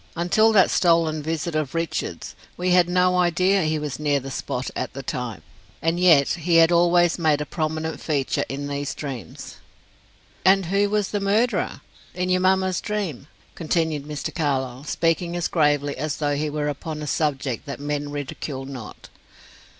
Until that stolen visit of Richard's we had no idea he was near the spot at the time, and yet he had always made a prominent feature in these dreams." "And who was the murderer in your mamma's dream?" continued Mr. Carlyle, speaking as gravely as though he were upon a subject that men ridicule not.